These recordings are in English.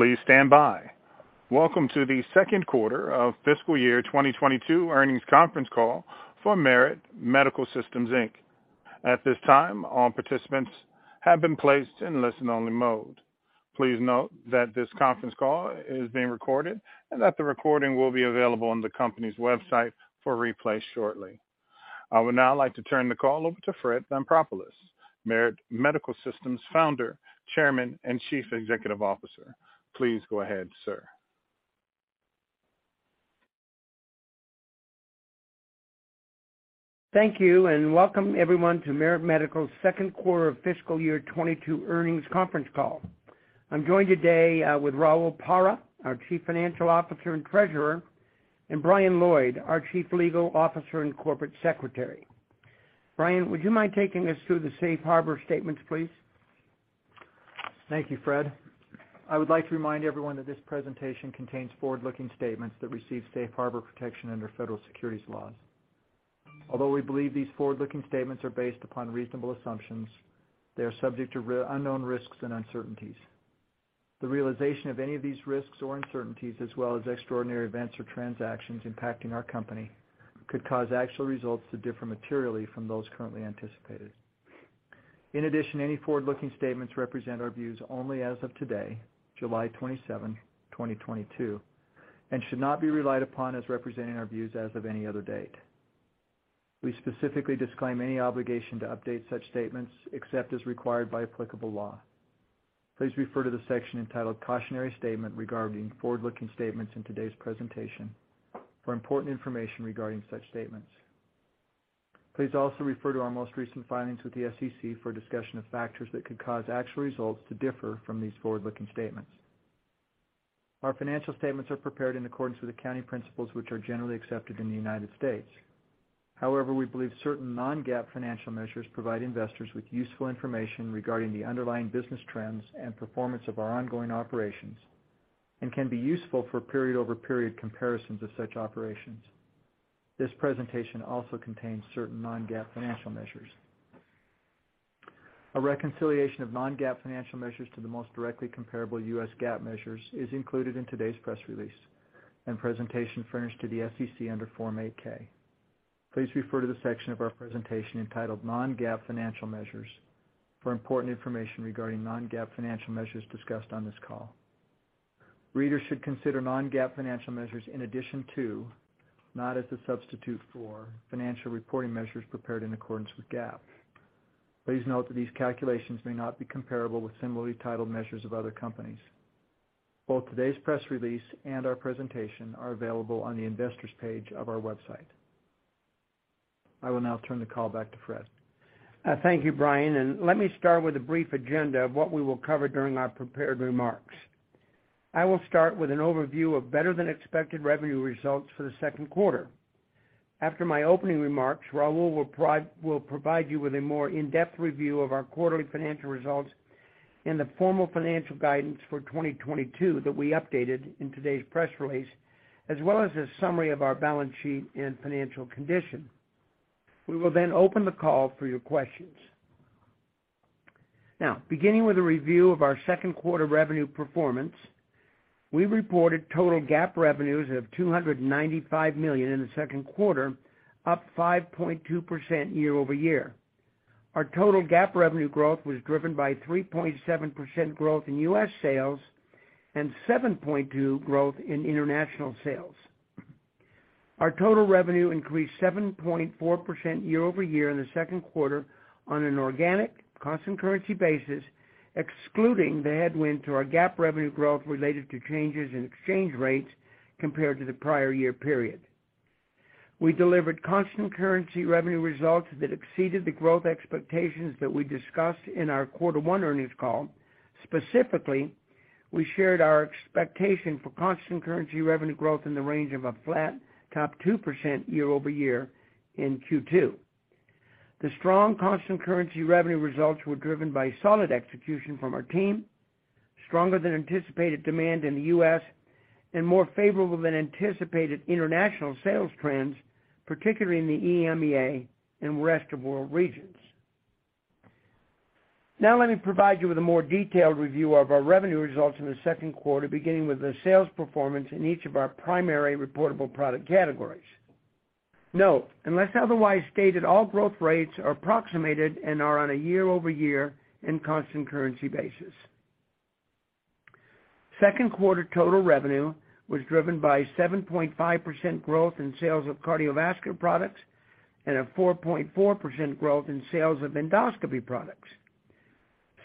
Please stand by. Welcome to the second quarter of FY22 earnings conference call for Merit Medical Systems, Inc. At this time, all participants have been placed in listen-only mode. Please note that this conference call is being recorded and that the recording will be available on the company's website for replay shortly. I would now like to turn the call over to Fred Lampropoulos, Merit Medical Systems Founder, Chairman, and Chief Executive Officer. Please go ahead, sir. Thank you, and welcome everyone to Merit Medical's second quarter of FY22 earnings conference call. I'm joined today with Raul Parra, our Chief Financial Officer and Treasurer, and Brian Lloyd, our Chief Legal Officer and Corporate Secretary. Brian, would you mind taking us through the safe harbor statements, please? Thank you, Fred. I would like to remind everyone that this presentation contains forward-looking statements that receive safe harbor protection under federal securities laws. Although we believe these forward-looking statements are based upon reasonable assumptions, they are subject to unknown risks and uncertainties. The realization of any of these risks or uncertainties, as well as extraordinary events or transactions impacting our company, could cause actual results to differ materially from those currently anticipated. In addition, any forward-looking statements represent our views only as of today, July 27, 2022, and should not be relied upon as representing our views as of any other date. We specifically disclaim any obligation to update such statements except as required by applicable law. Please refer to the section entitled Cautionary Statement regarding forward-looking statements in today's presentation for important information regarding such statements. Please also refer to our most recent filings with the SEC for a discussion of factors that could cause actual results to differ from these forward-looking statements. Our financial statements are prepared in accordance with the accounting principles, which are generally accepted in the United States. However, we believe certain non-GAAP financial measures provide investors with useful information regarding the underlying business trends and performance of our ongoing operations and can be useful for period-over-period comparisons of such operations. This presentation also contains certain non-GAAP financial measures. A reconciliation of non-GAAP financial measures to the most directly comparable U.S. GAAP measures is included in today's press release and presentation furnished to the SEC under Form 8-K. Please refer to the section of our presentation entitled Non-GAAP Financial Measures for important information regarding non-GAAP financial measures discussed on this call. Readers should consider non-GAAP financial measures in addition to, not as a substitute for, financial reporting measures prepared in accordance with GAAP. Please note that these calculations may not be comparable with similarly titled measures of other companies. Both today's press release and our presentation are available on the investor's page of our website. I will now turn the call back to Fred. Thank you, Brian. Let me start with a brief agenda of what we will cover during our prepared remarks. I will start with an overview of better-than-expected revenue results for the second quarter. After my opening remarks, Raul will provide you with a more in-depth review of our quarterly financial results and the formal financial guidance for 2022 that we updated in today's press release, as well as a summary of our balance sheet and financial condition. We will then open the call for your questions. Now, beginning with a review of our second quarter revenue performance. We reported total GAAP revenues of $295 million in the second quarter, up 5.2% year-over-year. Our total GAAP revenue growth was driven by 3.7% growth in U.S. sales and 7.2% growth in international sales. Our total revenue increased 7.4% year-over-year in the second quarter on an organic constant currency basis, excluding the headwind to our GAAP revenue growth related to changes in exchange rates compared to the prior year period. We delivered constant currency revenue results that exceeded the growth expectations that we discussed in our quarter one earnings call. Specifically, we shared our expectation for constant currency revenue growth in the range of flat to 2% year-over-year in Q2. The strong constant currency revenue results were driven by solid execution from our team, stronger than anticipated demand in the US, and more favorable than anticipated international sales trends, particularly in the EMEA and rest of world regions. Now, let me provide you with a more detailed review of our revenue results in the second quarter, beginning with the sales performance in each of our primary reportable product categories. Note, unless otherwise stated, all growth rates are approximated and are on a year-over-year and constant currency basis. Second quarter total revenue was driven by 7.5% growth in sales of cardiovascular products and a 4.4% growth in sales of endoscopy products.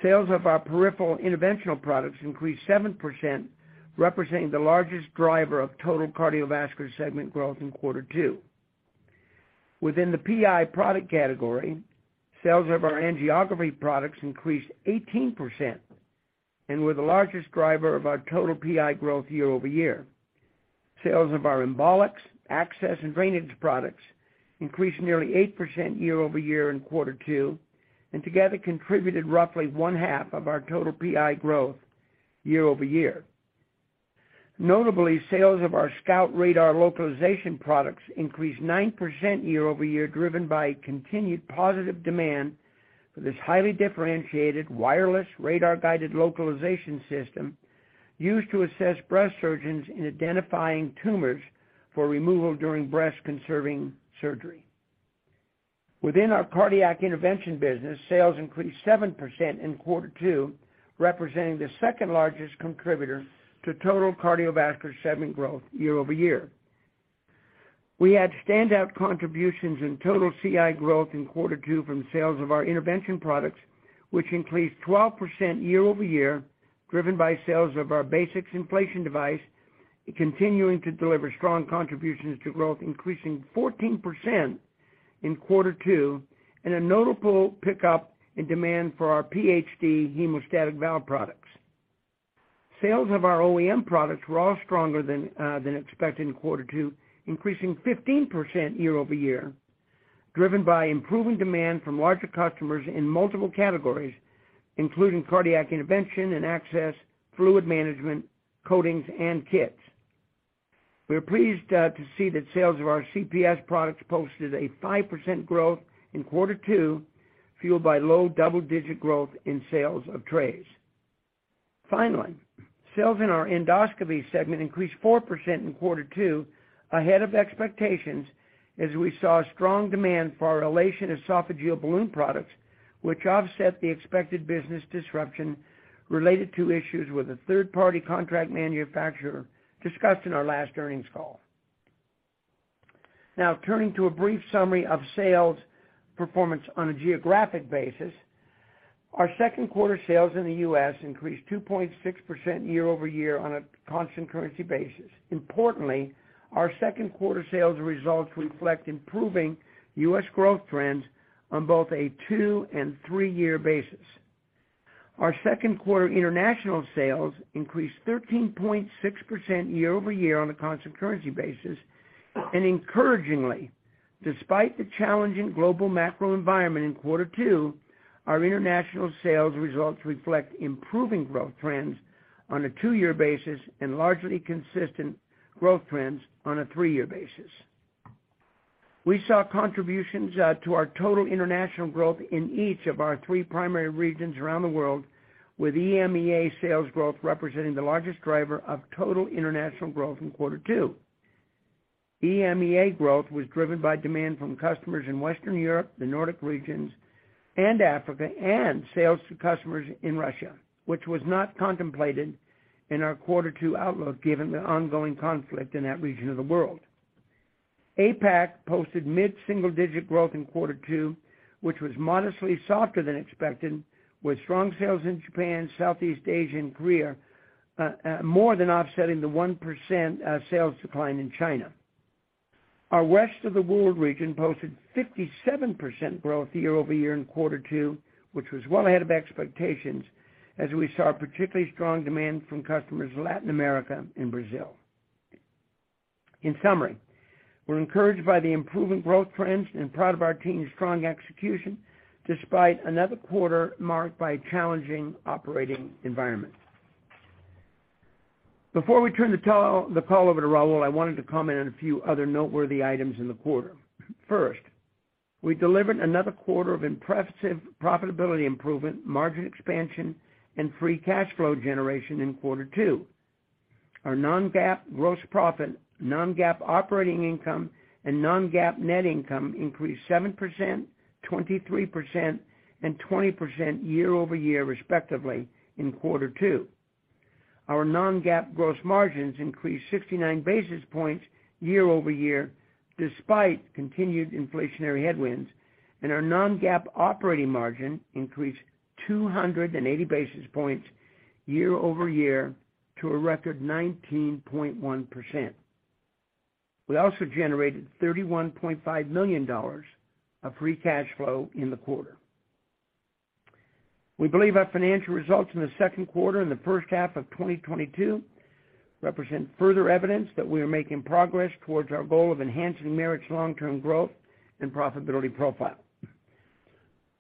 Sales of our peripheral interventional products increased 7%, representing the largest driver of total cardiovascular segment growth in quarter two. Within the PI product category, sales of our angiography products increased 18% and were the largest driver of our total PI growth year-over-year. Sales of our embolics, access, and drainage products increased nearly 8% year-over-year in quarter two, and together contributed roughly one half of our total PI growth year-over-year. Notably, sales of our SCOUT radar localization products increased 9% year-over-year, driven by continued positive demand for this highly differentiated wireless radar-guided localization system used to assist breast surgeons in identifying tumors for removal during breast-conserving surgery. Within our cardiac intervention business, sales increased 7% in quarter two, representing the second largest contributor to total cardiovascular segment growth year-over-year. We had standout contributions in total CI growth in quarter two from sales of our intervention products, which increased 12% year-over-year, driven by sales of our basixSKY Inflation Device, continuing to deliver strong contributions to growth, increasing 14% in quarter two, and a notable pickup in demand for our PhD Hemostasis Valve products. Sales of our OEM products were all stronger than expected in quarter two, increasing 15% year-over-year, driven by improving demand from larger customers in multiple categories, including cardiac intervention and access, fluid management, coatings, and kits. We are pleased to see that sales of our CPS products posted a 5% growth in quarter two, fueled by low double-digit growth in sales of trays. Finally, sales in our endoscopy segment increased 4% in quarter two, ahead of expectations, as we saw strong demand for our Elation Esophageal Balloon products, which offset the expected business disruption related to issues with a third-party contract manufacturer discussed in our last earnings call. Now turning to a brief summary of sales performance on a geographic basis. Our second quarter sales in the U.S. increased 2.6% year-over-year on a constant currency basis. Importantly, our second quarter sales results reflect improving U.S. growth trends on both a two- and three-year basis. Our second quarter international sales increased 13.6% year-over-year on a constant currency basis. Encouragingly, despite the challenging global macro environment in quarter two, our international sales results reflect improving growth trends on a two-year basis and largely consistent growth trends on a three-year basis. We saw contributions to our total international growth in each of our three primary regions around the world, with EMEA sales growth representing the largest driver of total international growth in quarter two. EMEA growth was driven by demand from customers in Western Europe, the Nordic regions and Africa, and sales to customers in Russia, which was not contemplated in our quarter two outlook, given the ongoing conflict in that region of the world. APAC posted mid-single digit growth in quarter two, which was modestly softer than expected, with strong sales in Japan, Southeast Asia and Korea, more than offsetting the 1% sales decline in China. Our rest of the world region posted 57% growth year-over-year in quarter two, which was well ahead of expectations as we saw particularly strong demand from customers in Latin America and Brazil. In summary, we're encouraged by the improving growth trends and proud of our team's strong execution despite another quarter marked by a challenging operating environment. Before we turn the call over to Raul, I wanted to comment on a few other noteworthy items in the quarter. First, we delivered another quarter of impressive profitability improvement, margin expansion and free cash flow generation in quarter two. Our non-GAAP gross profit, non-GAAP operating income and non-GAAP net income increased 7%, 23% and 20% year-over-year, respectively in quarter two. Our non-GAAP gross margins increased 69 basis points year-over-year despite continued inflationary headwinds and our non-GAAP operating margin increased 280 basis points year-over-year to a record 19.1%. We also generated $31.5 million of free cash flow in the quarter. We believe our financial results in the second quarter and the first half of 2022 represent further evidence that we are making progress towards our goal of enhancing Merit's long-term growth and profitability profile.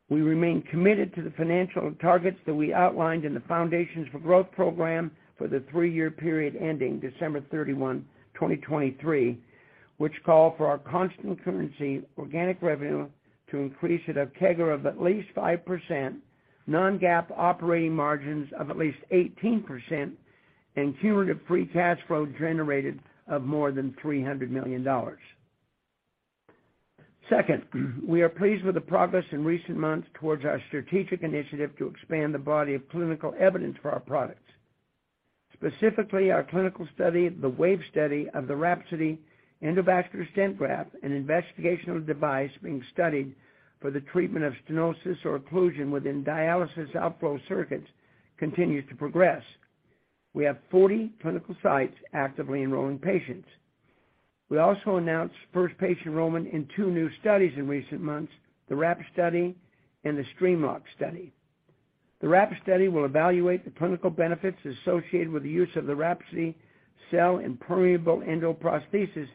We remain committed to the financial targets that we outlined in the Foundations for Growth program for the three-year period ending December 31, 2023, which call for our constant currency organic revenue to increase at a CAGR of at least 5%, non-GAAP operating margins of at least 18% and cumulative free cash flow generated of more than $300 million. Second, we are pleased with the progress in recent months towards our strategic initiative to expand the body of clinical evidence for our products. Specifically, our clinical study, the WAVE study of the WRAPSODY Endovascular Stent Graft, an investigational device being studied for the treatment of stenosis or occlusion within dialysis outflow circuits, continues to progress. We have 40 clinical sites actively enrolling patients. We also announced first patient enrollment in two new studies in recent months, the WRAP study and the STREAMLoc study. The WRAP study will evaluate the clinical benefits associated with the use of the WRAPSODY cell-impermeable endoprosthesis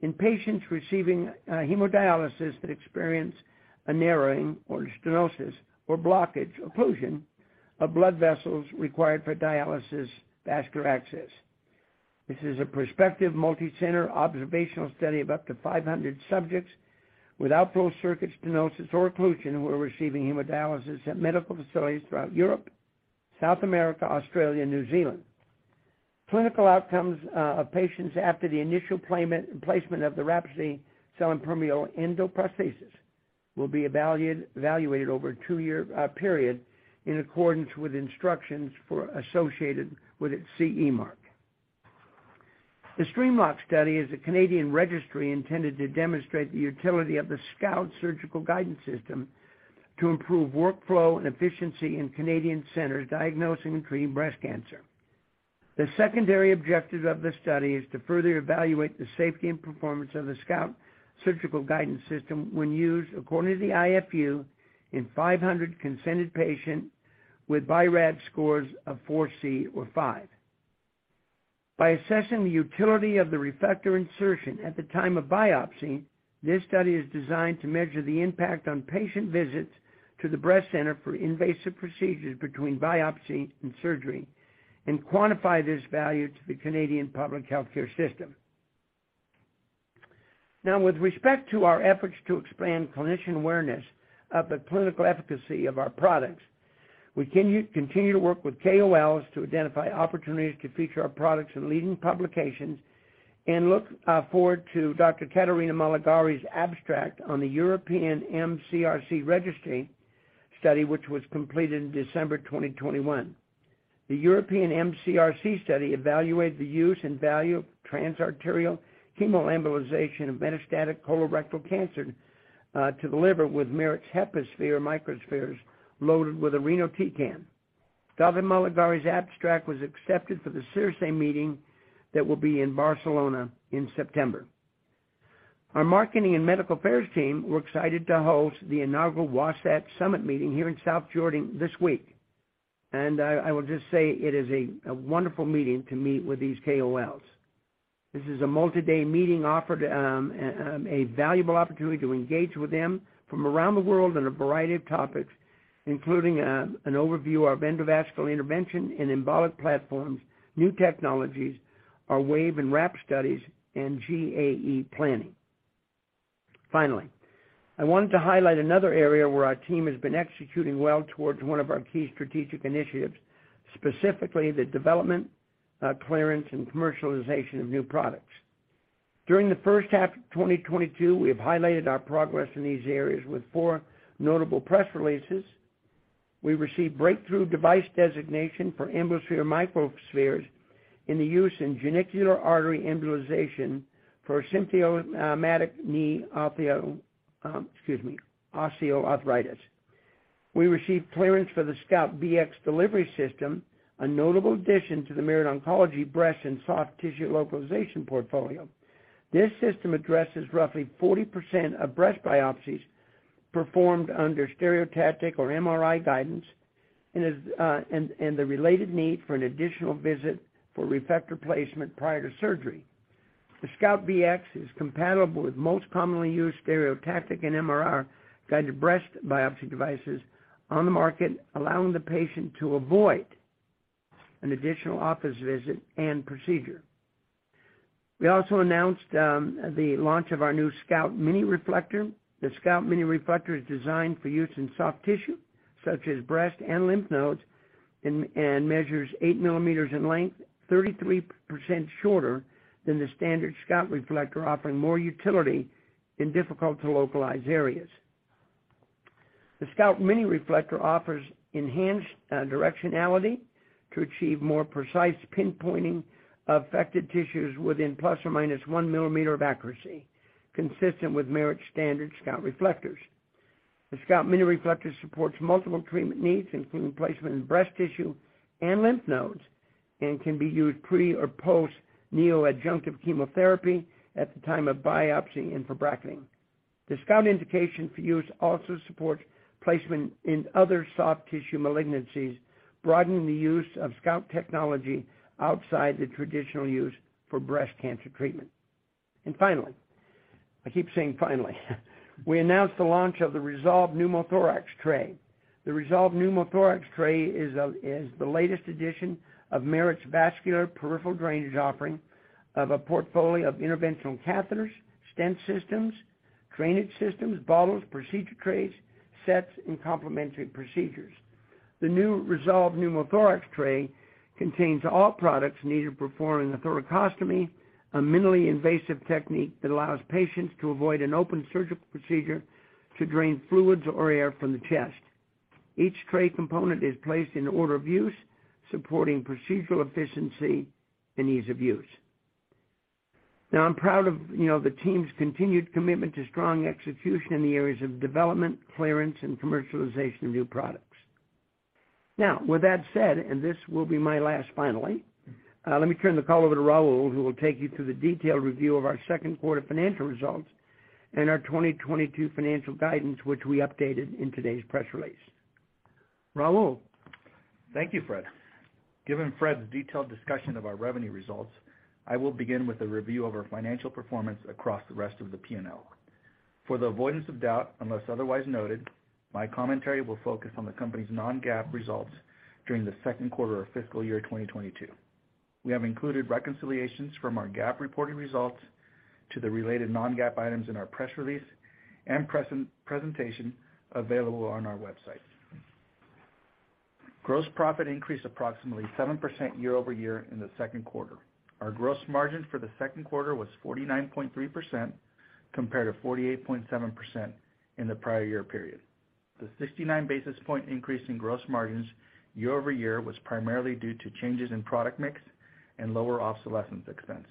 in patients receiving hemodialysis that experience a narrowing or stenosis or blockage, occlusion of blood vessels required for dialysis vascular access. This is a prospective multicenter observational study of up to 500 subjects without flow circuit stenosis or occlusion who are receiving hemodialysis at medical facilities throughout Europe, South America, Australia, and New Zealand. Clinical outcomes of patients after the initial placement of the WRAPSODY Cell-Impermeable Endoprosthesis will be evaluated over a two-year period in accordance with instructions associated with its CE mark. The STREAMLoc study is a Canadian registry intended to demonstrate the utility of the SCOUT Surgical Guidance System to improve workflow and efficiency in Canadian centers diagnosing and treating breast cancer. The secondary objective of the study is to further evaluate the safety and performance of the SCOUT Surgical Guidance System when used according to the IFU in 500 consented patients with BI-RADS scores of 4C or 5. By assessing the utility of the reflector insertion at the time of biopsy, this study is designed to measure the impact on patient visits to the breast center for invasive procedures between biopsy and surgery and quantify this value to the Canadian public healthcare system. Now with respect to our efforts to expand clinician awareness of the clinical efficacy of our products, we continue to work with KOLs to identify opportunities to feature our products in leading publications and look forward to Dr. Caterina Malagari's abstract on the European MCRC registry study, which was completed in December 2021. The European MCRC study evaluated the use and value of transarterial chemoembolization of metastatic colorectal cancer to the liver with Merit's HepaSphere Microspheres loaded with irinotecan. Caterina Malagari's abstract was accepted for the CIRSE meeting that will be in Barcelona in September. Our marketing and medical affairs team were excited to host the inaugural Wasatch Summit meeting here in South Jordan this week. I will just say it is a wonderful meeting to meet with these KOLs. This is a multi-day meeting offered a valuable opportunity to engage with them from around the world on a variety of topics, including an overview of endovascular intervention and embolic platforms, new technologies, our WAVE and WRAP studies, and GAE planning. Finally, I wanted to highlight another area where our team has been executing well towards one of our key strategic initiatives, specifically the development, clearance, and commercialization of new products. During the first half of 2022, we have highlighted our progress in these areas with four notable press releases. We received breakthrough device designation for Embosphere Microspheres for use in genicular artery embolization for symptomatic knee osteoarthritis. We received clearance for the SCOUT Bx delivery system, a notable addition to the Merit Oncology breast and soft tissue localization portfolio. This system addresses roughly 40% of breast biopsies performed under stereotactic or MRI guidance and the related need for an additional visit for reflector placement prior to surgery. The SCOUT Bx is compatible with most commonly used stereotactic and MRI guided breast biopsy devices on the market, allowing the patient to avoid an additional office visit and procedure. We also announced the launch of our new SCOUT Mini Reflector. The SCOUT Mini Reflector is designed for use in soft tissue, such as breast and lymph nodes, and measures 8 mm in length, 33% shorter than the standard SCOUT reflector, offering more utility in difficult to localize areas. The SCOUT Mini Reflector offers enhanced directionality to achieve more precise pinpointing of affected tissues within ±1 mm of accuracy, consistent with Merit's standard SCOUT reflectors. The SCOUT Mini Reflector supports multiple treatment needs, including placement in breast tissue and lymph nodes, and can be used pre or post neoadjuvant chemotherapy at the time of biopsy and for bracketing. The SCOUT indication for use also supports placement in other soft tissue malignancies, broadening the use of SCOUT technology outside the traditional use for breast cancer treatment. Finally, I keep saying finally. We announced the launch of the ReSolve Thoracostomy Tray. The ReSolve Thoracostomy Tray is the latest addition of Merit's vascular peripheral drainage offering of a portfolio of interventional catheters, stent systems, drainage systems, bottles, procedure trays, sets, and complementary procedures. The new ReSolve Thoracostomy Tray contains all products needed to perform a Thoracostomy, a minimally invasive technique that allows patients to avoid an open surgical procedure to drain fluids or air from the chest. Each tray component is placed in order of use, supporting procedural efficiency and ease of use. Now, I'm proud of, you know, the team's continued commitment to strong execution in the areas of development, clearance, and commercialization of new products. Now, with that said, and this will be my last finally, let me turn the call over to Raul, who will take you through the detailed review of our second quarter financial results and our 2022 financial guidance, which we updated in today's press release. Raul. Thank you, Fred. Given Fred's detailed discussion of our revenue results, I will begin with a review of our financial performance across the rest of the P&L. For the avoidance of doubt, unless otherwise noted, my commentary will focus on the company's non-GAAP results during the second quarter of FY22. We have included reconciliations from our GAAP reporting results to the related non-GAAP items in our press release and presentation available on our website. Gross profit increased approximately 7% year-over-year in the second quarter. Our gross margin for the second quarter was 49.3% compared to 48.7% in the prior year period. The 69 basis point increase in gross margins year-over-year was primarily due to changes in product mix and lower obsolescence expense,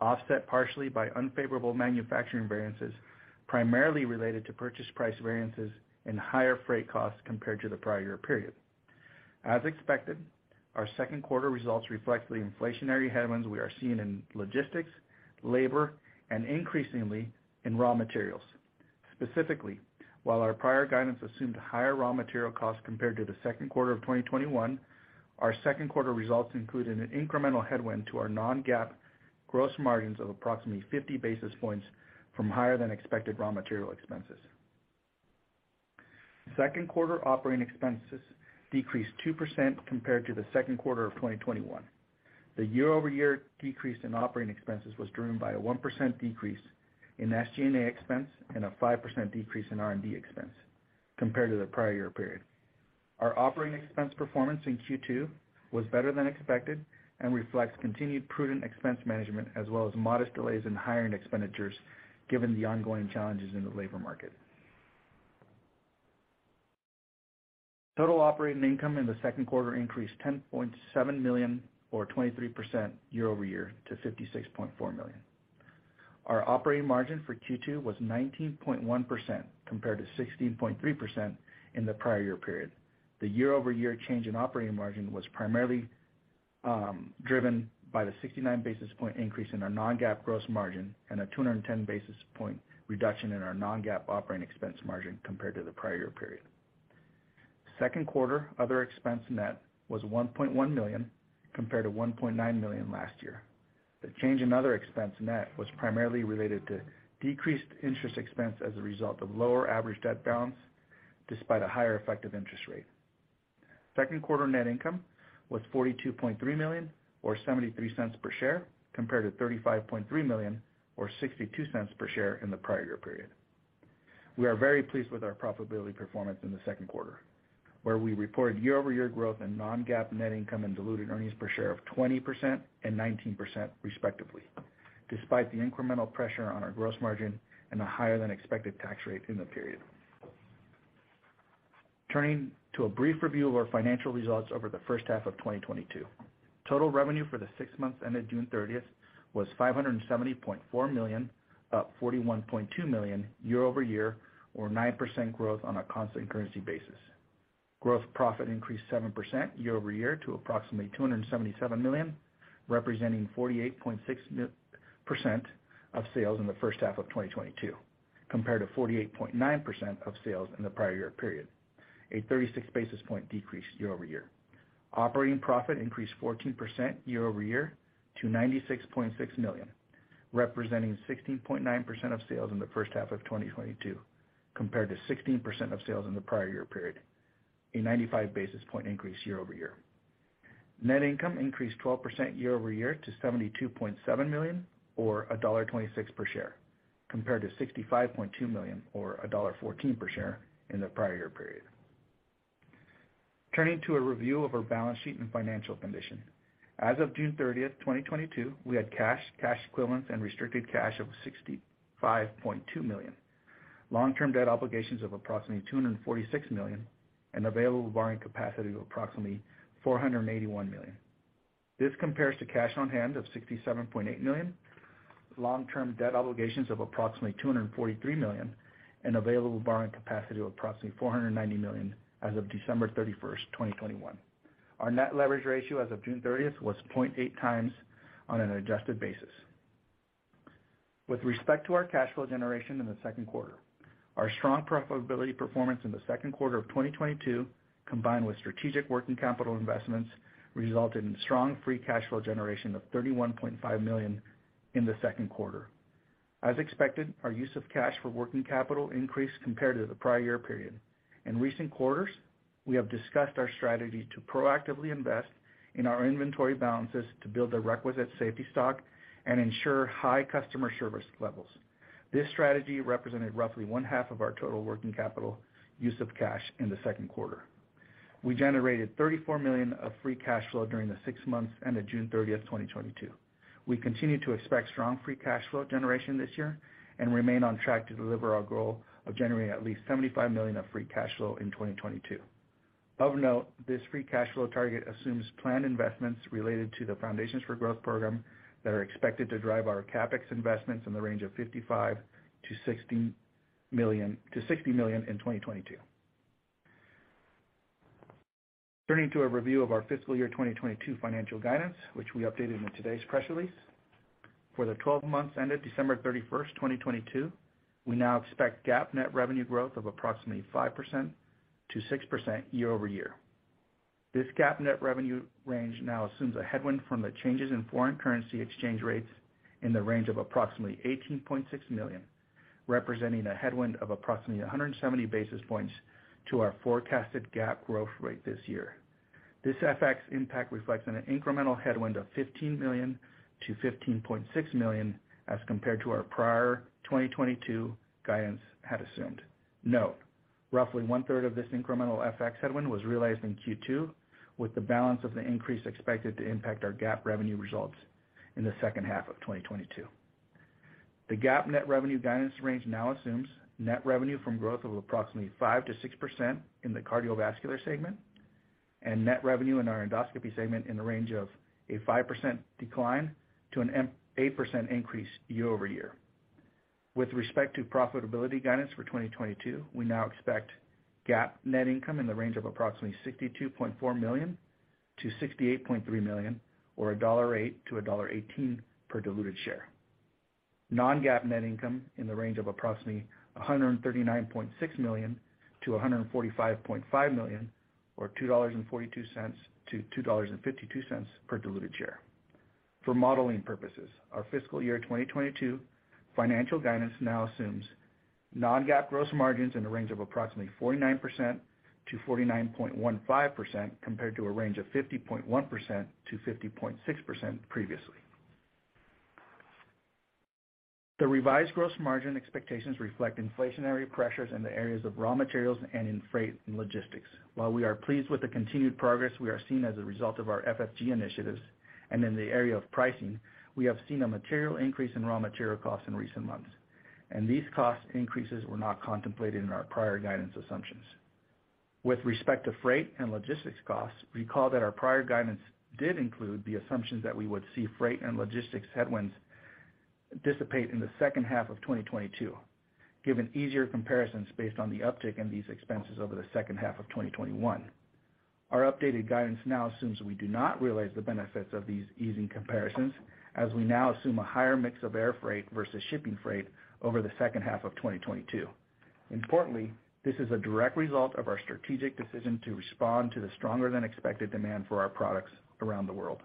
offset partially by unfavorable manufacturing variances, primarily related to purchase price variances and higher freight costs compared to the prior year period. As expected, our second quarter results reflect the inflationary headwinds we are seeing in logistics, labor, and increasingly in raw materials. Specifically, while our prior guidance assumed higher raw material costs compared to the second quarter of 2021, our second quarter results included an incremental headwind to our non-GAAP gross margins of approximately 50 basis points from higher than expected raw material expenses. Second quarter operating expenses decreased 2% compared to the second quarter of 2021. The year-over-year decrease in operating expenses was driven by a 1% decrease in SG&A expense and a 5% decrease in R&D expense compared to the prior year period. Our operating expense performance in Q2 was better than expected and reflects continued prudent expense management as well as modest delays in hiring expenditures given the ongoing challenges in the labor market. Total operating income in the second quarter increased $10.7 million or 23% year-over-year to $56.4 million. Our operating margin for Q2 was 19.1% compared to 16.3% in the prior year period. The year-over-year change in operating margin was primarily driven by the 69 basis point increase in our non-GAAP gross margin and a 210 basis point reduction in our non-GAAP operating expense margin compared to the prior year period. Second quarter other expense net was $1.1 million compared to $1.9 million last year. The change in other expense net was primarily related to decreased interest expense as a result of lower average debt balance despite a higher effective interest rate. Second quarter net income was $42.3 million or $0.73 per share, compared to $35.3 million or $0.62 per share in the prior year period. We are very pleased with our profitability performance in the second quarter, where we reported year-over-year growth in non-GAAP net income and diluted earnings per share of 20% and 19% respectively, despite the incremental pressure on our gross margin and a higher than expected tax rate in the period. Turning to a brief review of our financial results over the first half of 2022. Total revenue for the six months ended June 30th was $570.4 million, up $41.2 million year-over-year or 9% growth on a constant-currency basis. Gross profit increased 7% year-over-year to approximately $277 million, representing 48.6% of sales in the first half of 2022, compared to 48.9% of sales in the prior year period, a 36 basis point decrease year-over-year. Operating profit increased 14% year-over-year to $96.6 million, representing 16.9% of sales in the first half of 2022, compared to 16% of sales in the prior year period, a 95 basis point increase year-over-year. Net income increased 12% year-over-year to $72.7 million or $1.26 per share, compared to $65.2 million or $1.14 per share in the prior year period. Turning to a review of our balance sheet and financial condition. As of June 30th, 2022, we had cash equivalents and restricted cash of $65.2 million. Long-term debt obligations of approximately $246 million and available borrowing capacity of approximately $481 million. This compares to cash on hand of $67.8 million, long-term debt obligations of approximately $243 million, and available borrowing capacity of approximately $490 million as of December 31st, 2021. Our net leverage ratio as of June 30th was 0.8x on an adjusted basis. With respect to our cash flow generation in the second quarter, our strong profitability performance in the second quarter of 2022, combined with strategic working capital investments, resulted in strong free cash flow generation of $31.5 million in the second quarter. As expected, our use of cash for working capital increased compared to the prior year period. In recent quarters, we have discussed our strategy to proactively invest in our inventory balances to build the requisite safety stock and ensure high customer service levels. This strategy represented roughly one half of our total working capital use of cash in the second quarter. We generated $34 million of free cash flow during the six months ended June 30th, 2022. We continue to expect strong free cash flow generation this year and remain on track to deliver our goal of generating at least $75 million of free cash flow in 2022. Of note, this free cash flow target assumes planned investments related to the Foundations for Growth program that are expected to drive our CapEx investments in the range of $55 million-$60 million in 2022. Turning to a review of our FY22 financial guidance, which we updated in today's press release. For the 12 months ended December 31st, 2022, we now expect GAAP net revenue growth of approximately 5%-6% year-over-year. This GAAP net revenue range now assumes a headwind from the changes in foreign currency exchange rates in the range of approximately $18.6 million, representing a headwind of approximately 170 basis points to our forecasted GAAP growth rate this year. This FX impact reflects an incremental headwind of $15 million-$15.6 million as compared to our prior 2022 guidance had assumed. Note, roughly one-third of this incremental FX headwind was realized in Q2, with the balance of the increase expected to impact our GAAP revenue results in the second half of 2022. The GAAP net revenue guidance range now assumes net revenue growth of approximately 5%-6% in the cardiovascular segment and net revenue in our endoscopy segment in the range of a 5% decline to an 8% increase year-over-year. With respect to profitability guidance for 2022, we now expect GAAP net income in the range of approximately $62.4 million-$68.3 million, or $1.08-$1.18 per diluted share. Non-GAAP net income in the range of approximately $139.6 million-$145.5 million, or $2.42-$2.52 per diluted share. For modeling purposes, our FY22 financial guidance now assumes non-GAAP gross margins in the range of approximately 49%-49.15% compared to a range of 50.1%-50.6% previously. The revised gross margin expectations reflect inflationary pressures in the areas of raw materials and in freight and logistics. While we are pleased with the continued progress we are seeing as a result of our FFG initiatives, and in the area of pricing, we have seen a material increase in raw material costs in recent months, and these cost increases were not contemplated in our prior guidance assumptions. With respect to freight and logistics costs, recall that our prior guidance did include the assumptions that we would see freight and logistics headwinds dissipate in the second half of 2022, given easier comparisons based on the uptick in these expenses over the second half of 2021. Our updated guidance now assumes we do not realize the benefits of these easing comparisons, as we now assume a higher mix of air freight versus shipping freight over the second half of 2022. Importantly, this is a direct result of our strategic decision to respond to the stronger than expected demand for our products around the world.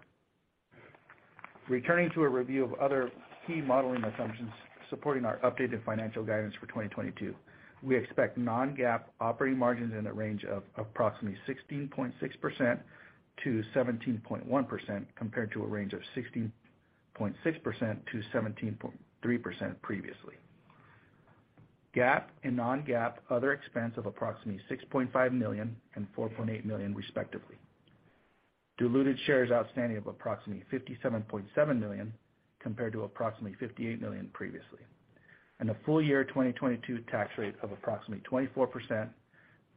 Returning to a review of other key modeling assumptions supporting our updated financial guidance for 2022. We expect non-GAAP operating margins in the range of approximately 16.6%-17.1%, compared to a range of 16.6%-17.3% previously. GAAP and non-GAAP other expense of approximately $6.5 million and $4.8 million, respectively. Diluted shares outstanding of approximately 57.7 million compared to approximately 58 million previously. A full-year 2022 tax rate of approximately 24%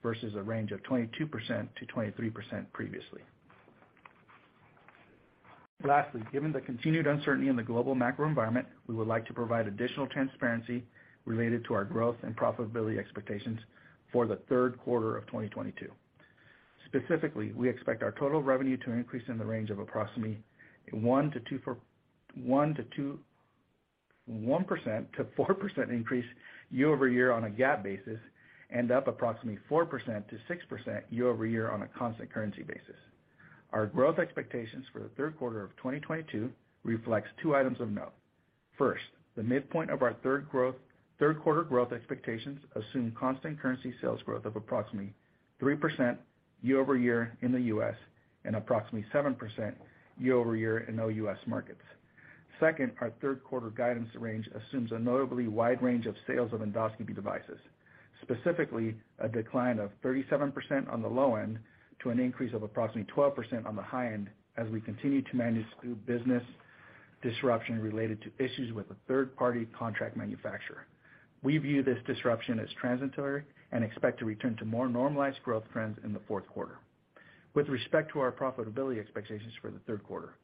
versus a range of 22%-23% previously. Lastly, given the continued uncertainty in the global macro environment, we would like to provide additional transparency related to our growth and profitability expectations for the third quarter of 2022. Specifically, we expect our total revenue to increase in the range of approximately 1%-4% year-over-year on a GAAP basis, and up approximately 4%-6% year-over-year on a constant currency basis. Our growth expectations for the third quarter of 2022 reflects two items of note. First, the midpoint of our third quarter growth expectations assume constant currency sales growth of approximately 3% year-over-year in the U.S. and approximately 7% year-over-year in OUS markets. Second, our third quarter guidance range assumes a notably wide range of sales of endoscopy devices, specifically a decline of 37% on the low end to an increase of approximately 12% on the high end as we continue to manage through business disruption related to issues with a third-party contract manufacturer. We view this disruption as transitory and expect to return to more normalized growth trends in the fourth quarter. With respect to our profitability expectations for the third quarter,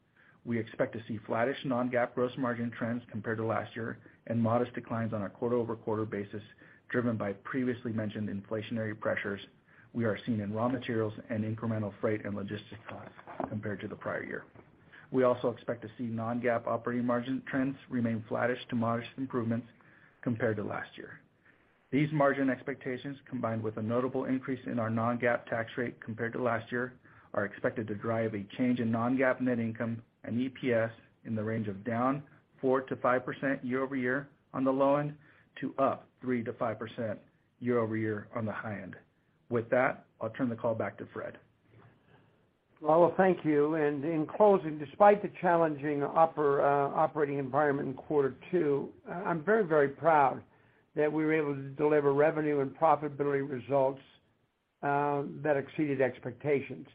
we expect to see flattish non-GAAP gross margin trends compared to last year and modest declines on a quarter-over-quarter basis, driven by previously mentioned inflationary pressures we are seeing in raw materials and incremental freight and logistics costs compared to the prior year. We also expect to see non-GAAP operating margin trends remain flattish to modest improvements compared to last year. These margin expectations, combined with a notable increase in our non-GAAP tax rate compared to last year, are expected to drive a change in non-GAAP net income and EPS in the range of down 4%-5% year-over-year on the low end to up 3%-5% year-over-year on the high end. With that, I'll turn the call back to Fred. Well, thank you. In closing, despite the challenging operating environment in quarter two, I'm very, very proud that we were able to deliver revenue and profitability results that exceeded expectations.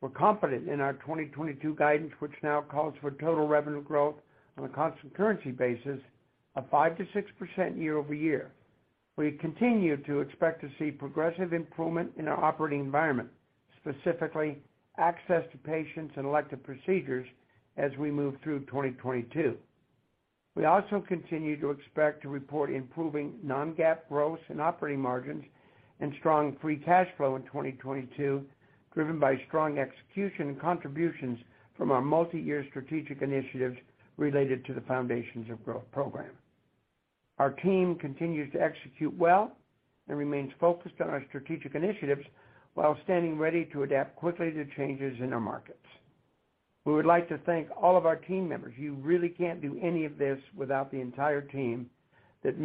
We're confident in our 2022 guidance, which now calls for total revenue growth on a constant currency basis of 5%-6% year-over-year. We continue to expect to see progressive improvement in our operating environment, specifically access to patients and elective procedures as we move through 2022. We also continue to expect to report improving non-GAAP gross and operating margins and strong free cash flow in 2022, driven by strong execution and contributions from our multiyear strategic initiatives related to the Foundations for Growth program. Our team continues to execute well and remains focused on our strategic initiatives while standing ready to adapt quickly to changes in our markets. We would like to thank all of our team members. You really can't do any of this without the entire team that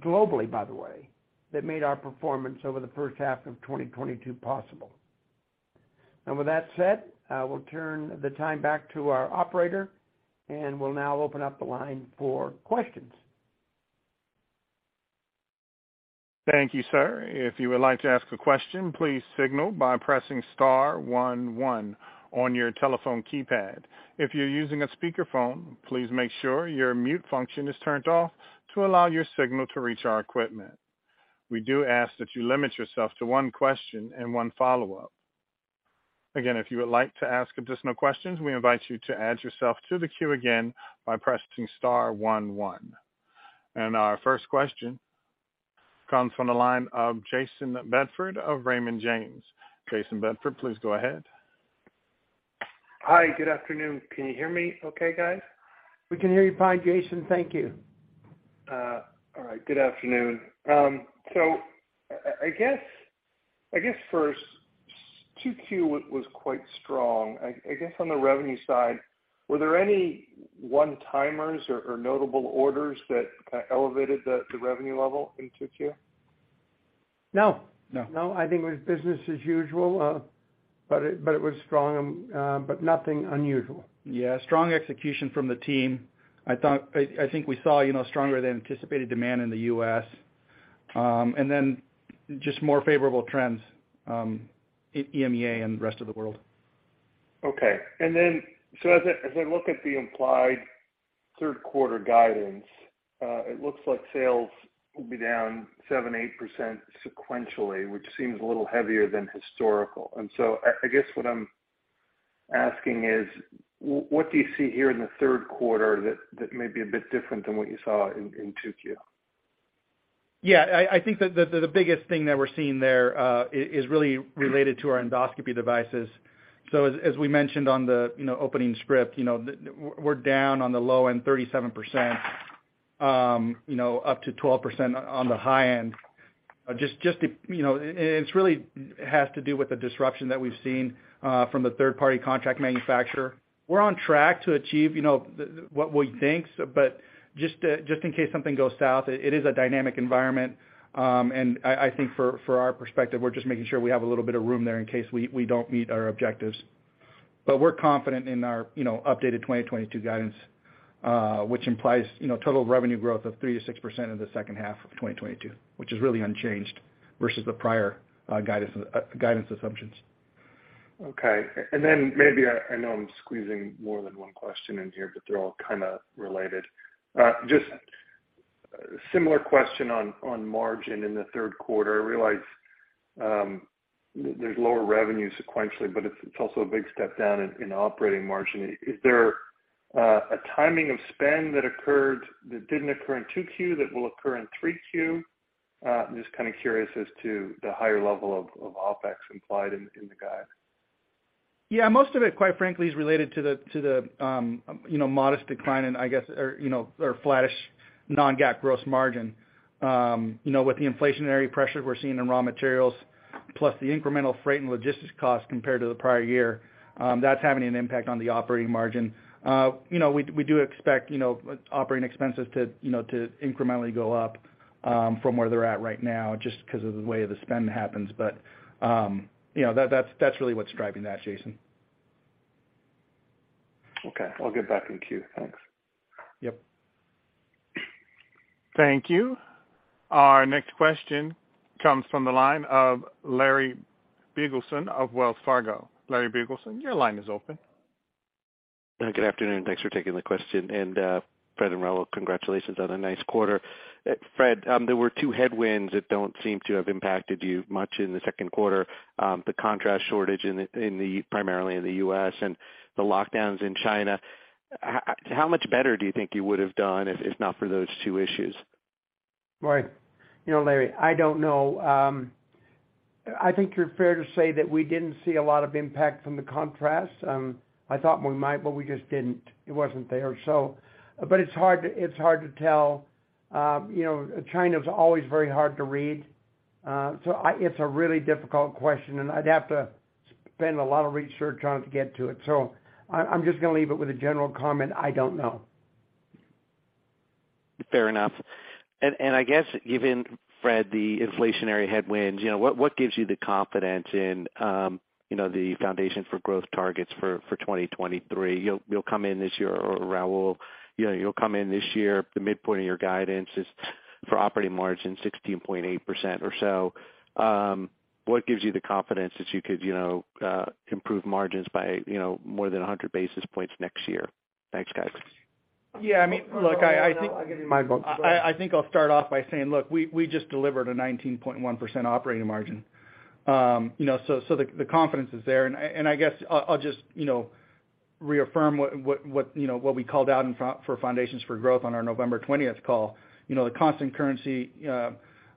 globally, by the way, made our performance over the first half of 2022 possible. With that said, I will turn the time back to our operator, and we'll now open up the line for questions. Thank you, sir. If you would like to ask a question, please signal by pressing star one one on your telephone keypad. If you're using a speakerphone, please make sure your mute function is turned off to allow your signal to reach our equipment. We do ask that you limit yourself to one question and one follow-up. Again, if you would like to ask additional questions, we invite you to add yourself to the queue again by pressing star one one. Our first question comes from the line of Jayson Bedford of Raymond James. Jayson Bedford, please go ahead. Hi, good afternoon. Can you hear me okay, guys? We can hear you fine, Jayson. Thank you. All right. Good afternoon. I guess first, 2Q was quite strong. I guess on the revenue side, were there any one-timers or notable orders that elevated the revenue level in 2Q? No. No. No, I think it was business as usual. It was strong, but nothing unusual. Yeah, strong execution from the team. I think we saw, you know, stronger than anticipated demand in the US. Just more favorable trends in EMEA and the rest of the world. As I look at the implied third quarter guidance, it looks like sales will be down 7-8% sequentially, which seems a little heavier than historical. I guess what I'm asking is what do you see here in the third quarter that may be a bit different than what you saw in 2Q? I think the biggest thing that we're seeing there is really related to our endoscopy devices. As we mentioned on the opening script, you know, we're down on the low end, 37%, up to 12% on the high end. It really has to do with the disruption that we've seen from the third-party contract manufacturer. We're on track to achieve what we think, you know, just in case something goes south. It is a dynamic environment. I think for our perspective, we're just making sure we have a little bit of room there in case we don't meet our objectives. We're confident in our, you know, updated 2022 guidance, which implies, you know, total revenue growth of 3%-6% in the second half of 2022, which is really unchanged versus the prior guidance assumptions. Okay. Maybe I know I'm squeezing more than one question in here, but they're all kinda related. Just similar question on margin in the third quarter. I realize there's lower revenue sequentially, but it's also a big step down in operating margin. Is there a timing of spend that occurred that didn't occur in 2Q that will occur in 3Q? I'm just kind of curious as to the higher level of OpEx implied in the guide. Yeah, most of it, quite frankly, is related to the modest decline in or flattish non-GAAP gross margin. With the inflationary pressure we're seeing in raw materials, plus the incremental freight and logistics costs compared to the prior year, that's having an impact on the operating margin. You know, we do expect operating expenses to incrementally go up from where they're at right now just 'cause of the way the spend happens. You know, that's really what's driving that, Jayson. Okay. I'll get back in queue. Thanks. Yep. Thank you. Our next question comes from the line of Larry Biegelsen of Wells Fargo. Larry Biegelsen, your line is open. Good afternoon. Thanks for taking the question. Fred and Raul, congratulations on a nice quarter. Fred, there were two headwinds that don't seem to have impacted you much in the second quarter, the contrast shortage in the primarily in the U.S. and the lockdowns in China. How much better do you think you would have done if not for those two issues? Right. You know, Larry, I don't know. I think it's fair to say that we didn't see a lot of impact from the contrast. I thought we might, but we just didn't. It wasn't there. It's hard to tell. You know, China is always very hard to read. It's a really difficult question, and I'd have to spend a lot of research on it to get to it. I'm just gonna leave it with a general comment. I don't know. Fair enough. I guess given, Fred, the inflationary headwinds, you know, what gives you the confidence in, you know, the Foundations for Growth targets for 2023? You'll come in this year or Raul, you know, you'll come in this year, the midpoint of your guidance is for operating margin 16.8% or so. What gives you the confidence that you could, you know, improve margins by, you know, more than 100 basis points next year? Thanks, guys. Yeah. I mean, look, I think. I'll give you my book. I think I'll start off by saying, look, we just delivered a 19.1% operating margin. You know, so the confidence is there. I guess I'll just, you know, reaffirm what we called out in for Foundations for Growth on our November 20th call. You know, the constant currency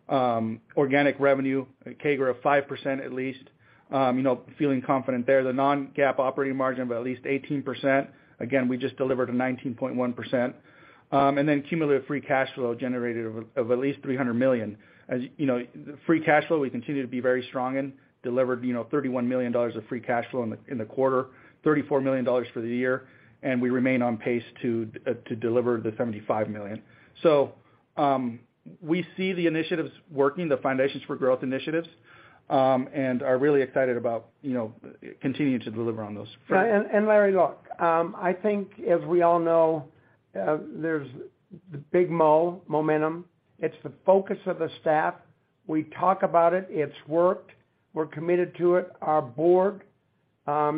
organic revenue, a CAGR of 5% at least, you know, feeling confident there. The non-GAAP operating margin by at least 18%. Again, we just delivered a 19.1%. And then cumulative free cash flow generated of at least $300 million. As you know, free cash flow we continue to be very strong and delivered, you know, $31 million of free cash flow in the quarter, $34 million for the year, and we remain on pace to deliver the $75 million. We see the initiatives working, the Foundations for Growth initiatives, and are really excited about, you know, continuing to deliver on those. Larry, look, I think as we all know, there's the big mo, momentum. It's the focus of the staff. We talk about it. It's worked. We're committed to it. Our board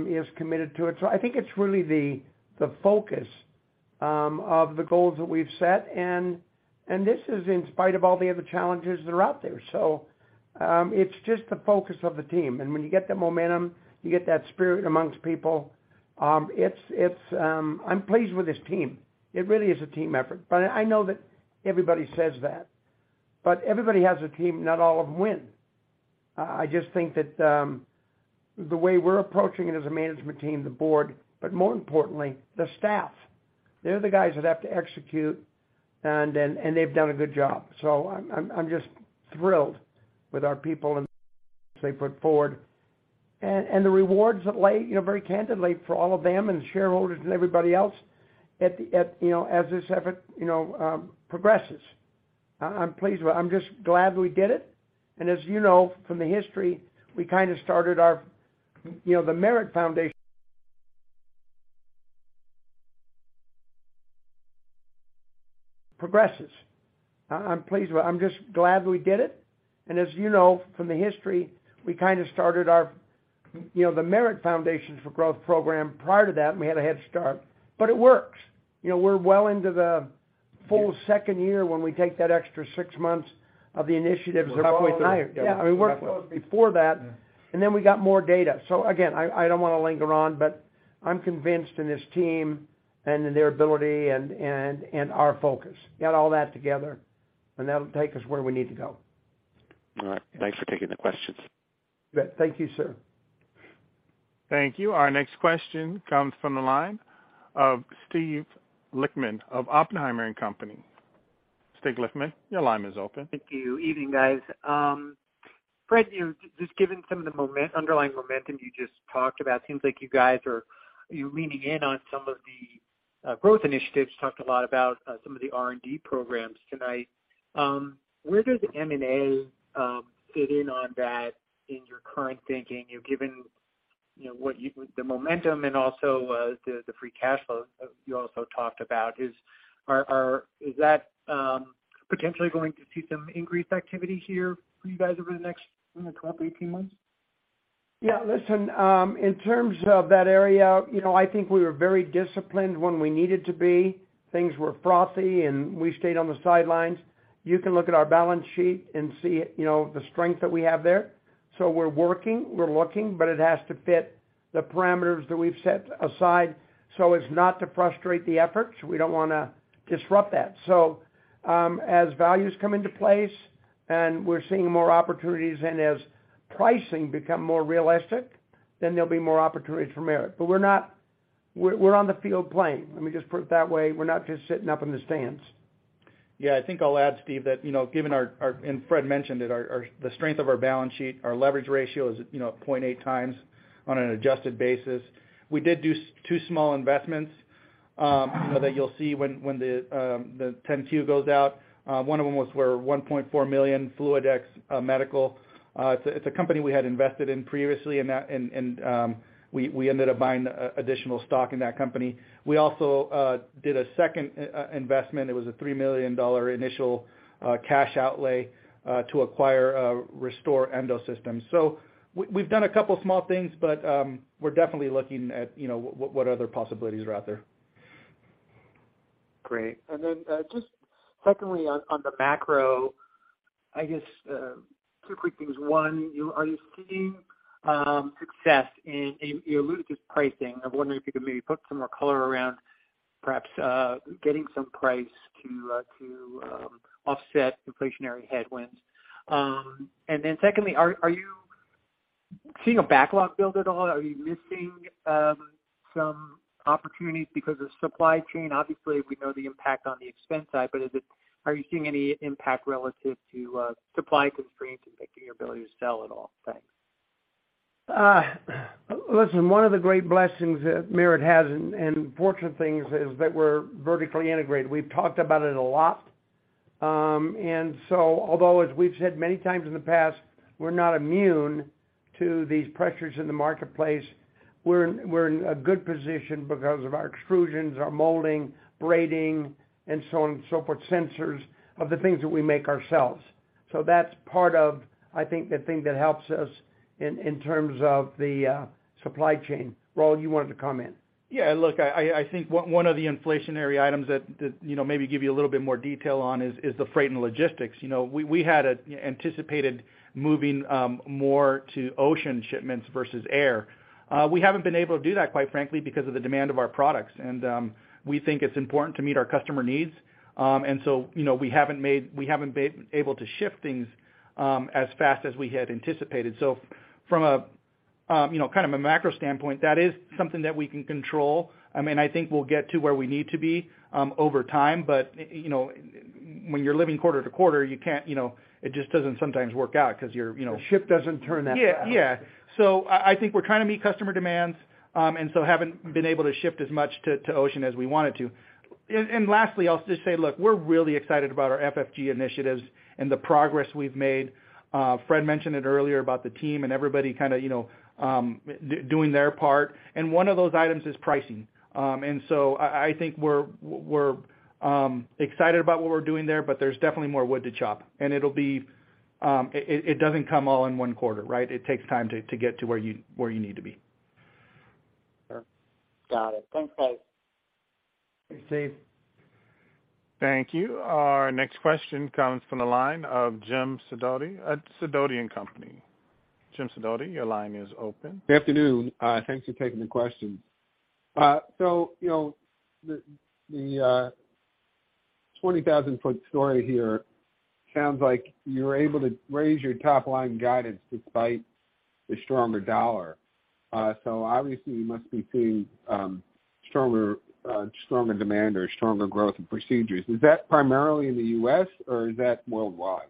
is committed to it. I think it's really the focus of the goals that we've set. This is in spite of all the other challenges that are out there. It's just the focus of the team. When you get that momentum, you get that spirit among people. I'm pleased with this team. It really is a team effort. I know that everybody says that, but everybody has a team, not all of them win. I just think that the way we're approaching it as a management team, the board, but more importantly, the staff, they're the guys that have to execute, and they've done a good job. I'm just thrilled with our people and they put forward. The rewards that lay, you know, very candidly for all of them and shareholders and everybody else at, you know, as this effort, you know, progresses. I'm pleased with it. I'm just glad we did it. As you know from the history, we kind of started our, you know, the Merit Foundation progresses. I'm pleased with it. I'm just glad we did it. As you know from the history, we kind of started our, you know, the Merit Foundations for Growth program prior to that, and we had a head start, but it works. You know, we're well into the full second year when we take that extra six months of the initiatives. We're halfway through. Yeah, we worked before that, and then we got more data. Again, I don't want to linger on, but I'm convinced in this team and in their ability and our focus. Get all that together, and that'll take us where we need to go. All right. Thanks for taking the questions. Thank you, sir. Thank you. Our next question comes from the line of Steve Lichtman of Oppenheimer and Company. Steve Lichtman, your line is open. Thank you. Evening, guys. Fred, just given some of the underlying momentum you just talked about, seems like you're leaning in on some of the growth initiatives. You talked a lot about some of the R&D programs tonight. Where does M&A fit in on that in your current thinking? Given the momentum and also the free cash flow you also talked about, is that potentially going to see some increased activity here for you guys over the next 12-18 months? Yeah. Listen, in terms of that area, you know, I think we were very disciplined when we needed to be. Things were frothy, and we stayed on the sidelines. You can look at our balance sheet and see, you know, the strength that we have there. We're working, we're looking, but it has to fit the parameters that we've set aside, so as not to frustrate the efforts. We don't wanna disrupt that. As values come into place and we're seeing more opportunities, and as pricing become more realistic, then there'll be more opportunities for Merit. We're on the field playing, let me just put it that way. We're not just sitting up in the stands. Yeah. I think I'll add, Steve, that, you know, given our and Fred mentioned it, our the strength of our balance sheet, our leverage ratio is, you know, 0.8x on an adjusted basis. We did two small investments, you know, that you'll see when the 10-Q goes out. One of them was $1.4 million Fluidx Medical. It's a company we had invested in previously, and we ended up buying additional stock in that company. We also did a second investment. It was a $3 million initial cash outlay to acquire Restore Endosystems. We've done a couple small things, but we're definitely looking at, you know, what other possibilities are out there. Great. Just secondly, on the macro, I guess, two quick things. One, you know, are you seeing success in you alluded to pricing? I'm wondering if you could maybe put some more color around perhaps getting some pricing to offset inflationary headwinds. Secondly, are you seeing a backlog build at all? Are you missing some opportunities because of supply chain? Obviously, we know the impact on the expense side, but are you seeing any impact relative to supply constraints impacting your ability to sell at all? Thanks. Listen, one of the great blessings that Merit has and fortunate things is that we're vertically integrated. We've talked about it a lot. Although, as we've said many times in the past, we're not immune to these pressures in the marketplace, we're in a good position because of our extrusions, our molding, braiding, and so on and so forth, some of the things that we make ourselves. That's part of, I think, the thing that helps us in terms of the supply chain. Raul, you wanted to comment? Yeah. Look, I think one of the inflationary items that you know, maybe give you a little bit more detail on is the freight and logistics. You know, we had anticipated moving more to ocean shipments versus air. We haven't been able to do that, quite frankly, because of the demand of our products. We think it's important to meet our customer needs. You know, we haven't been able to shift things as fast as we had anticipated. From a you know, kind of a macro standpoint, that is something that we can control. I mean, I think we'll get to where we need to be, over time, but, you know, when you're living quarter to quarter, you can't, you know, it just doesn't sometimes work out 'cause you're, you know. The ship doesn't turn that fast. Yeah, yeah. I think we're trying to meet customer demands and haven't been able to shift as much to ocean as we wanted to. Lastly, I'll just say, look, we're really excited about our FFG initiatives and the progress we've made. Fred mentioned it earlier about the team and everybody kinda you know doing their part, and one of those items is pricing. I think we're excited about what we're doing there, but there's definitely more wood to chop. It doesn't come all in one quarter, right? It takes time to get to where you need to be. Sure. Got it. Thanks, Raul. Thanks, Steve. Thank you. Our next question comes from the line of James Sidoti at Sidoti & Company. James Sidoti, your line is open. Good afternoon. Thanks for taking the question. You know, the 20,000-foot story here sounds like you're able to raise your top line guidance despite the stronger dollar. Obviously, you must be seeing stronger demand or stronger growth in procedures. Is that primarily in the U.S. or is that worldwide?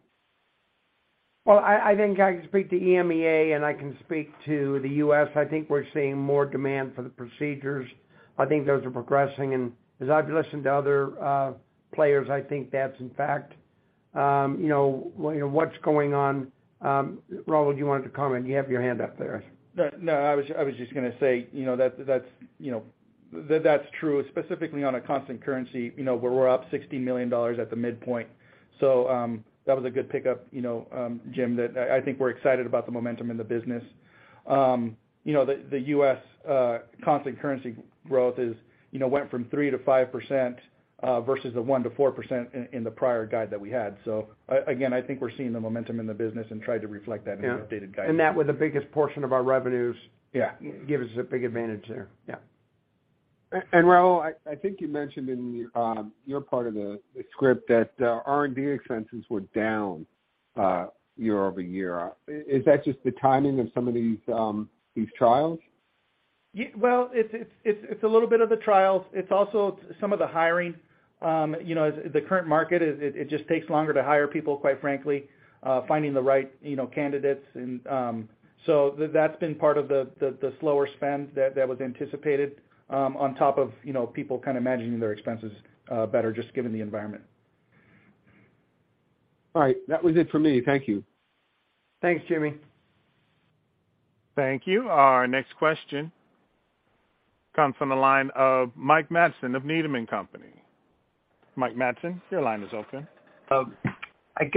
Well, I think I can speak to EMEA and I can speak to the US. I think we're seeing more demand for the procedures. I think those are progressing. As I've listened to other players, I think that's in fact, you know, what's going on. Raul, do you want to comment? You have your hand up there. No. I was just gonna say, you know, that's true, specifically on a constant currency, you know, where we're up $60 million at the midpoint. That was a good pickup, you know, Jim, that I think we're excited about the momentum in the business. You know, the US constant currency growth went from 3%-5% versus the 1%-4% in the prior guide that we had. Again, I think we're seeing the momentum in the business and tried to reflect that in the updated guidance. Yeah. That was the biggest portion of our revenues. Yeah. Gives us a big advantage there. Yeah. Raul, I think you mentioned in your part of the script that R&D expenses were down year-over-year. Is that just the timing of some of these trials? Yeah. Well, it's a little bit of the trials. It's also some of the hiring. You know, as the current market is, it just takes longer to hire people, quite frankly, finding the right, you know, candidates and. That's been part of the slower spend that was anticipated, on top of, you know, people kind of managing their expenses better just given the environment. All right. That was it for me. Thank you. Thanks, Jim. Thank you. Our next question comes from the line of Mike Matson of Needham & Company. Mike Matson, your line is open. I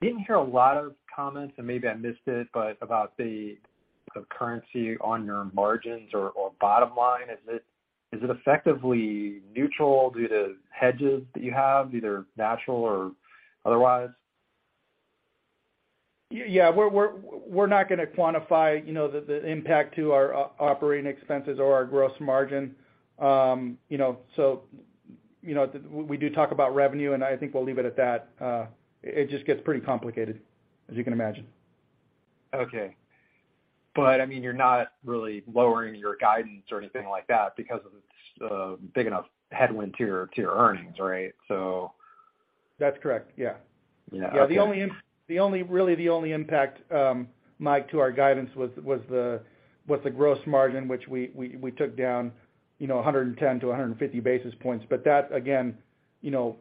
didn't hear a lot of comments, and maybe I missed it, but about the currency on your margins or bottom line. Is it effectively neutral due to hedges that you have, either natural or otherwise? Yeah, we're not gonna quantify, you know, the impact to our operating expenses or our gross margin. You know, we do talk about revenue, and I think we'll leave it at that. It just gets pretty complicated, as you can imagine. Okay. I mean, you're not really lowering your guidance or anything like that because it's a big enough headwind to your earnings, right? That's correct. Yeah. Yeah. Okay. The only, really the only impact, Mike, to our guidance was the gross margin, which we took down, you know, 110-150 basis points. That, again, you know,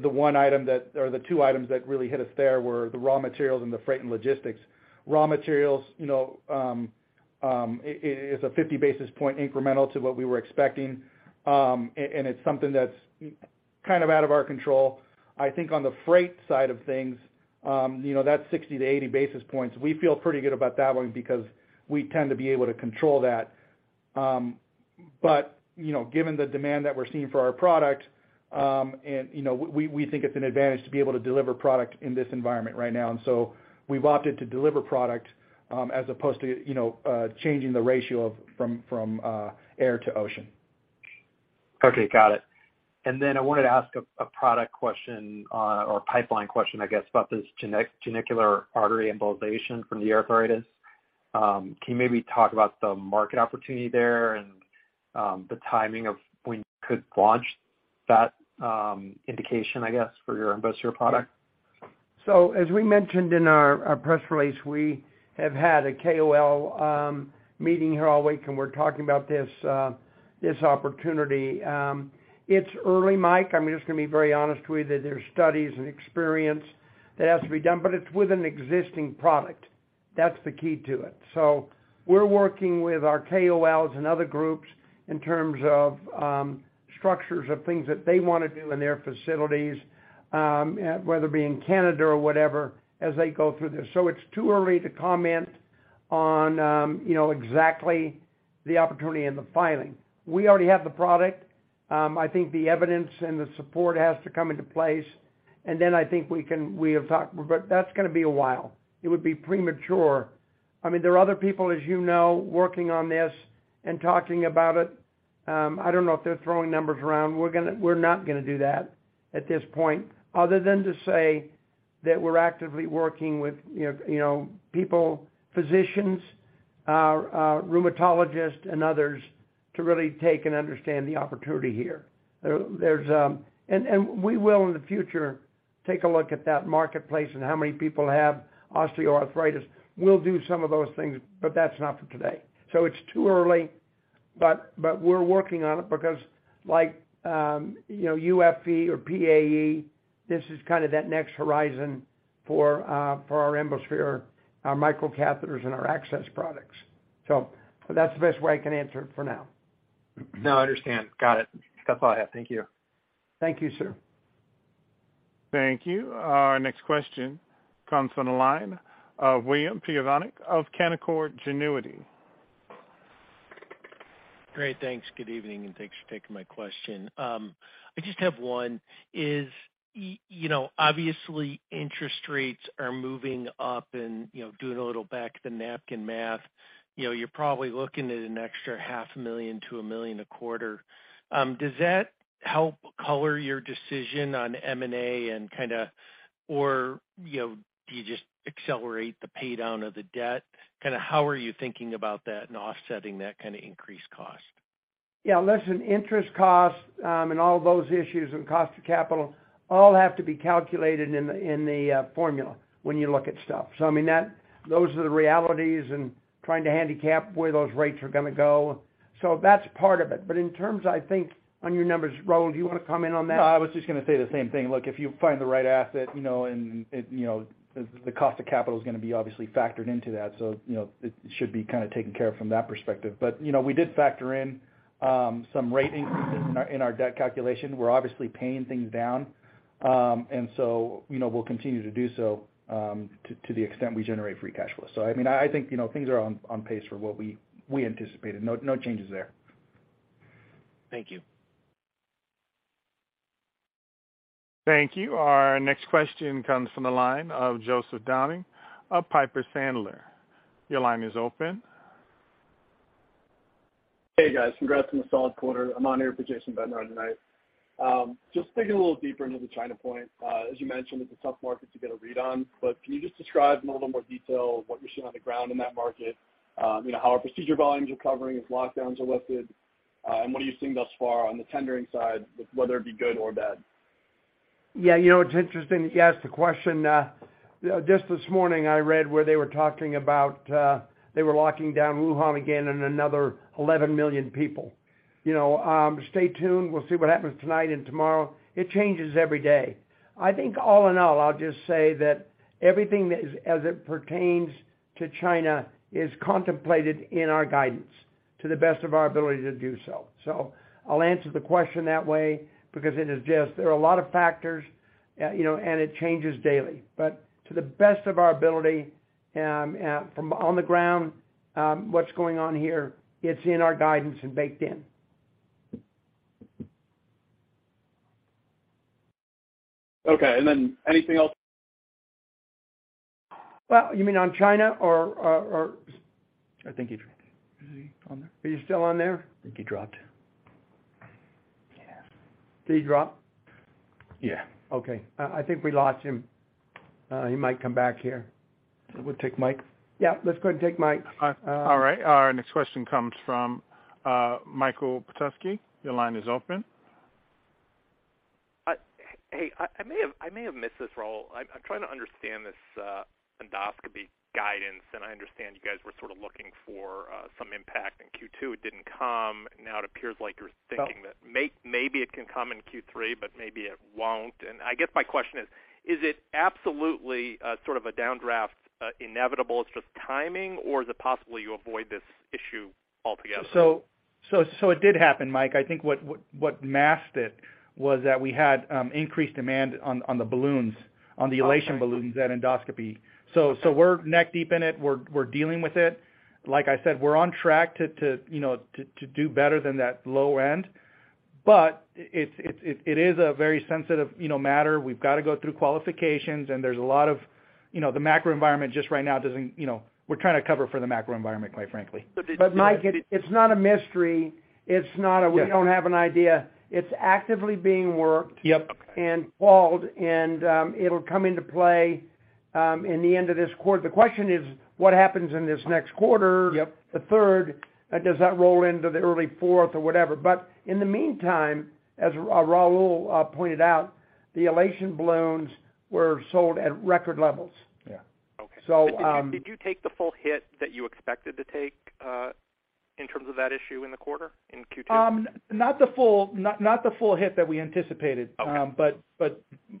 the one item that, or the two items that really hit us there were the raw materials and the freight and logistics. Raw materials, you know, is a 50 basis point incremental to what we were expecting, and it's something that's kind of out of our control. I think on the freight side of things, you know, that 60-80 basis points, we feel pretty good about that one because we tend to be able to control that. You know, given the demand that we're seeing for our product, and you know, we think it's an advantage to be able to deliver product in this environment right now. We've opted to deliver product as opposed to, you know, changing the ratio from air to ocean. Okay, got it. I wanted to ask a product question or pipeline question, I guess, about this genicular artery embolization for the arthritis. Can you maybe talk about the market opportunity there and the timing of when you could launch that indication, I guess, for your Embosphere product? As we mentioned in our press release, we have had a KOL meeting here all week, and we're talking about this opportunity. It's early, Mike. I mean, I'm just gonna be very honest with you that there's studies and experience that has to be done, but it's with an existing product. That's the key to it. We're working with our KOLs and other groups in terms of structures of things that they wanna do in their facilities, whether it be in Canada or whatever, as they go through this. It's too early to comment on, you know, exactly the opportunity and the filing. We already have the product. I think the evidence and the support has to come into place, and then I think we can. But that's gonna be a while. It would be premature. I mean, there are other people, as you know, working on this and talking about it. I don't know if they're throwing numbers around. We're not gonna do that at this point other than to say that we're actively working with, you know, people, physicians, rheumatologists, and others to really take and understand the opportunity here, and we will, in the future, take a look at that marketplace and how many people have osteoarthritis. We'll do some of those things, but that's not for today. It's too early, but we're working on it because like, you know, UFE or PAE, this is kind of that next horizon for our Embosphere, our micro catheters and our access products. That's the best way I can answer it for now. No, I understand. Got it. That's all I have. Thank you. Thank you, sir. Thank you. Our next question comes from the line of William Plovanic of Canaccord Genuity. Great. Thanks. Good evening, and thanks for taking my question. I just have one. You know, obviously, interest rates are moving up and, you know, doing a little back of the napkin math, you know, you're probably looking at an extra $500,000 a million to $1 million a quarter. Does that help color your decision on M&A and kinda or, you know, do you just accelerate the pay down of the debt? Kinda, how are you thinking about that and offsetting that kinda increased cost? Yeah. Listen, interest costs and all of those issues and cost of capital all have to be calculated in the formula when you look at stuff. I mean, those are the realities and trying to handicap where those rates are gonna go. That's part of it. In terms, I think on your numbers, Raul, do you wanna comment on that? No, I was just gonna say the same thing. Look, if you find the right asset, you know, and it, you know, the cost of capital is gonna be obviously factored into that. You know, it should be kinda taken care of from that perspective. You know, we did factor in some rate increases in our, in our debt calculation. We're obviously paying things down. You know, we'll continue to do so, to the extent we generate free cash flow. I mean, I think, you know, things are on pace for what we anticipated. No changes there. Thank you. Thank you. Our next question comes from the line of Joseph Downing of Piper Sandler. Your line is open. Hey, guys. Congrats on the solid quarter. I'm on here for Jason Bednar tonight. Just digging a little deeper into the China point. As you mentioned, it's a tough market to get a read on. Can you just describe in a little more detail what you're seeing on the ground in that market, you know, how our procedure volumes are recovering as lockdowns are lifted, and what are you seeing thus far on the tendering side, whether it be good or bad? Yeah, you know, it's interesting you asked the question. Just this morning, I read where they were talking about, they were locking down Wuhan again and another 11 million people. You know, stay tuned. We'll see what happens tonight and tomorrow. It changes every day. I think all in all, I'll just say that everything that is as it pertains to China is contemplated in our guidance to the best of our ability to do so. I'll answer the question that way because it is just there are a lot of factors, you know, and it changes daily. To the best of our ability, from on the ground, what's going on here, it's in our guidance and baked in. Okay. Anything else? Well, you mean on China or I think he dropped. Is he on there? Are you still on there? I think he dropped. Yeah. Did he drop? Yeah. Okay. I think we lost him. He might come back here. We'll take Mike. Yeah, let's go and take Mike. All right. Our next question comes from Michael Petusky. Your line is open. Hey, I may have missed this, Raul. I'm trying to understand this endoscopy guidance, and I understand you guys were sort of looking for some impact in Q2. It didn't come. Now it appears like you're thinking that maybe it can come in Q3, but maybe it won't. I guess my question is. Is it absolutely sort of a downdraft inevitable, it's just timing, or is it possible you avoid this issue altogether? It did happen, Mike. I think what masked it was that we had increased demand on the balloons, on the Elation Balloons at Endoscopy. We're neck deep in it. We're dealing with it. Like I said, we're on track to you know do better than that low end. It is a very sensitive you know matter. We've got to go through qualifications. You know, the macro environment just right now doesn't, you know, we're trying to cover for the macro environment, quite frankly. Mike, it's not a mystery. It's not that we don't have an idea. It's actively being worked- Yep And called, it'll come into play, in the end of this quarter. The question is, what happens in this next quarter- Yep The third? Does that roll into the early fourth or whatever? In the meantime, as Raul pointed out, the Elation Balloons were sold at record levels. Yeah. Okay. So, um- Did you take the full hit that you expected to take, in terms of that issue in the quarter, in Q2? Not the full hit that we anticipated. Okay.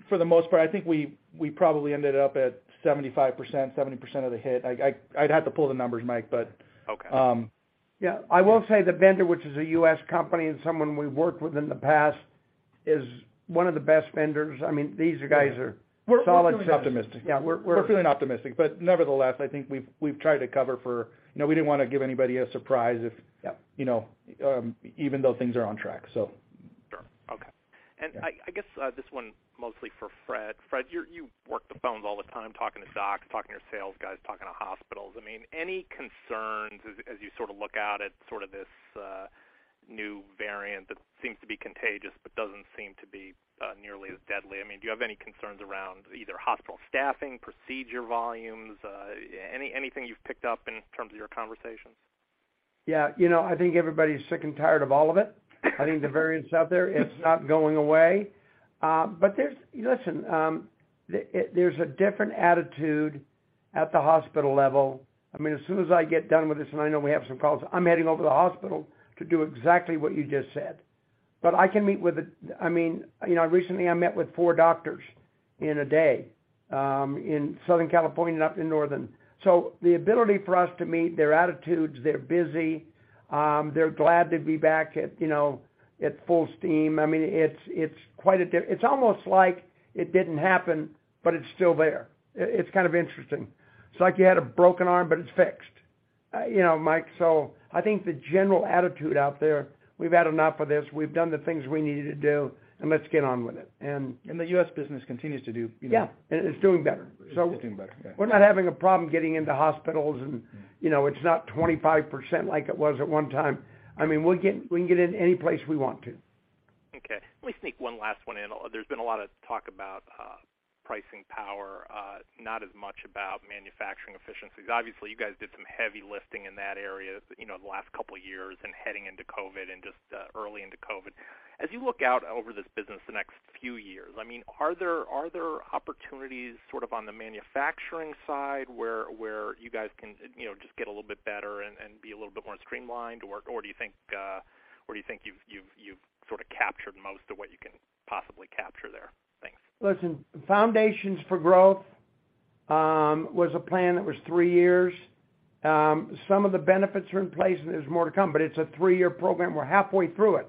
For the most part, I think we probably ended up at 75%, 70% of the hit. I'd have to pull the numbers, Mike. Okay. Um. Yeah, I will say the vendor, which is a U.S. company and someone we worked with in the past, is one of the best vendors. I mean, these guys are solid citizens. We're optimistic. Yeah. We're feeling optimistic. Nevertheless, I think we've tried to cover for, you know, we didn't wanna give anybody a surprise if Yeah you know, even though things are on track, so. Sure. Okay. I guess this one mostly for Fred. Fred, you work the phones all the time talking to docs, talking to your sales guys, talking to hospitals. I mean, any concerns as you sort of look out at sort of this new variant that seems to be contagious but doesn't seem to be nearly as deadly. I mean, do you have any concerns around either hospital staffing, procedure volumes, anything you've picked up in terms of your conversations? Yeah. You know, I think everybody's sick and tired of all of it. I think the variant's out there, it's not going away. But there's a different attitude at the hospital level. I mean, as soon as I get done with this, and I know we have some calls, I'm heading over to the hospital to do exactly what you just said. I can meet with the, I mean, you know, recently I met with four doctors in a day, in Southern California and up in Northern California. The ability for us to meet their attitudes, they're busy, they're glad to be back at, you know, at full steam. I mean, it's quite a difference. It's almost like it didn't happen, but it's still there. It's kind of interesting. It's like you had a broken arm, but it's fixed. You know, Mike, I think the general attitude out there, we've had enough of this, we've done the things we needed to do, and let's get on with it. The U.S. business continues to do, you know. Yeah. It's doing better. It's doing better, yeah. We're not having a problem getting into hospitals and, you know, it's not 25% like it was at one time. I mean, we can get in any place we want to. Okay. Let me sneak one last one in. There's been a lot of talk about pricing power, not as much about manufacturing efficiencies. Obviously, you guys did some heavy lifting in that area, you know, the last couple of years and heading into COVID and just early into COVID. As you look out over this business the next few years, I mean, are there opportunities sort of on the manufacturing side where you guys can, you know, just get a little bit better and be a little bit more streamlined? Or do you think you've sorta captured most of what you can possibly capture there? Thanks. Listen, Foundations for Growth was a plan that was three years. Some of the benefits are in place, and there's more to come, but it's a three-year program. We're halfway through it.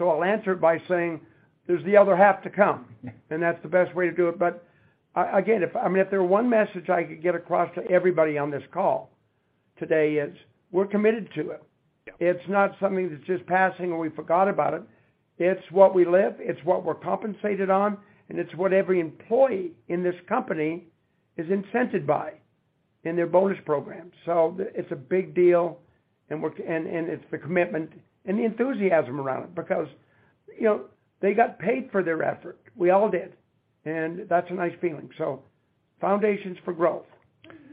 I'll answer it by saying there's the other half to come. Yeah. That's the best way to do it. Again, if, I mean, if there were one message I could get across to everybody on this call today is we're committed to it. Yeah. It's not something that's just passing or we forgot about it. It's what we live, it's what we're compensated on, and it's what every employee in this company is incented by in their bonus program. So it's a big deal, it's the commitment and the enthusiasm around it because, you know, they got paid for their effort. We all did. That's a nice feeling. Foundations for Growth,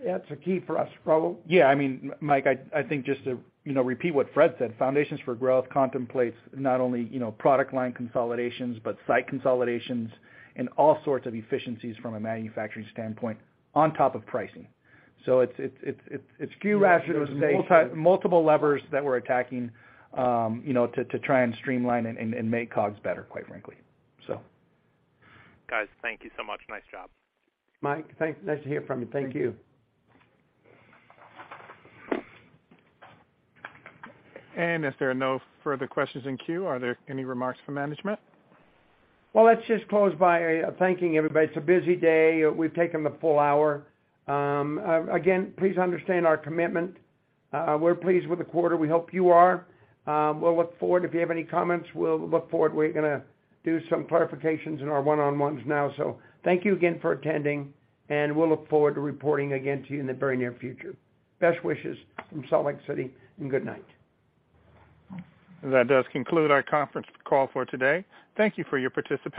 that's a key for us. Raul? Yeah, I mean, Mike, I think just to, you know, repeat what Fred said, Foundations for Growth contemplates not only, you know, product line consolidations, but site consolidations and all sorts of efficiencies from a manufacturing standpoint on top of pricing. So it's a few multiple levers that we're attacking, you know, to try and streamline and make COGS better, quite frankly. So. Guys, thank you so much. Nice job. Mike, thanks. Nice to hear from you. Thank you. If there are no further questions in queue, are there any remarks for management? Well, let's just close by thanking everybody. It's a busy day. We've taken the full hour. Again, please understand our commitment. We're pleased with the quarter. We hope you are. We'll look forward, if you have any comments, we'll look forward. We're gonna do some clarifications in our one-on-ones now. Thank you again for attending, and we'll look forward to reporting again to you in the very near future. Best wishes from Salt Lake City and good night. That does conclude our conference call for today. Thank you for your participation.